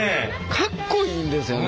かっこいいんですよね。